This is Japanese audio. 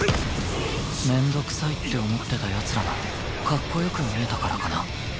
面倒くさいって思ってた奴らがかっこよく見えたからかな